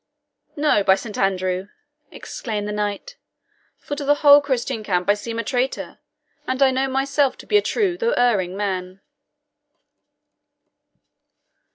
"No, by Saint Andrew!" exclaimed the knight; "for to the whole Christian camp I seem a traitor, and I know myself to be a true though an erring man."